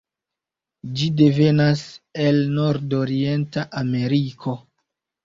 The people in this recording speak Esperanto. Ĝi devenas el nordorienta Ameriko.